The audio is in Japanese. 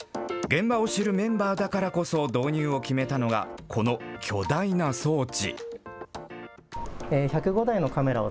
現場を知るメンバーだからこそ、導入を決めたのが、この巨大な装置。